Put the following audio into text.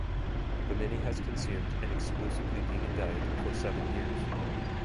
Bimini has consumed an exclusively vegan diet for seven years.